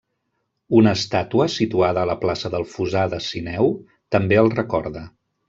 Una estàtua, situada a la plaça del Fossar de Sineu, també el recorda.